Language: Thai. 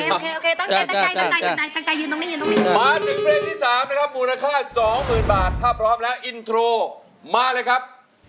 โอเคตั้งใจตั้งใจยืนตรงนี้มาถึงเพลงที่๓นะครับมูลค่า๒๐๐๐๐บาทถ้าพร้อมแล้วอินโทรมาเลยครับ